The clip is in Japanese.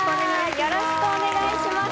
よろしくお願いします。